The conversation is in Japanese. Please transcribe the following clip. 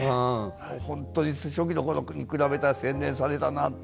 本当に初期の頃に比べたら洗練されたなって。